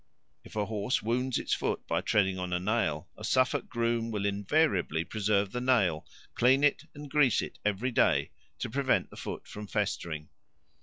If a horse wounds its foot by treading on a nail, a Suffolk groom will invariably preserve the nail, clean it, and grease it every day, to prevent the foot from festering.